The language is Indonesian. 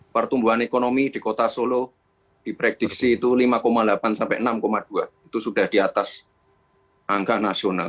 pertumbuhan ekonomi di kota solo diprediksi itu lima delapan sampai enam dua itu sudah di atas angka nasional